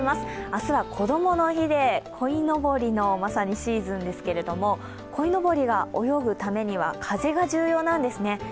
明日はこどもの日でこいのぼりのシーズンですけどこいのぼりが泳ぐためには風が重要なんですね。